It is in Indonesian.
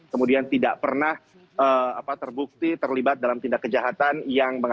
kemudian tidak pernah terbukti terlibat dalam tindak kejahatan